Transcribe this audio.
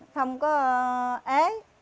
không có ế